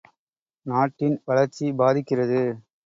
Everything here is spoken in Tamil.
நாட்டின் வளர்ச்சி பாதிக்கிறது!